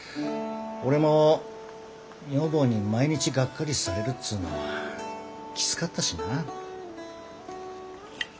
俺も女房に毎日がっかりされるっつうのはきつかったしな。